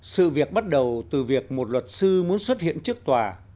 sự việc bắt đầu từ việc một luật sư muốn xuất hiện trước tòa